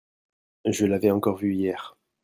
Je l'avais encore vu hier.